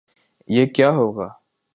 یہ کیا ہو گا؟